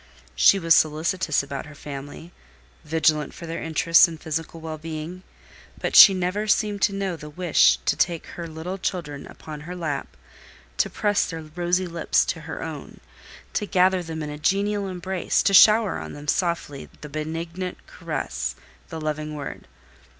She was solicitous about her family, vigilant for their interests and physical well being; but she never seemed to know the wish to take her little children upon her lap, to press their rosy lips with her own, to gather them in a genial embrace, to shower on them softly the benignant caress, the loving word.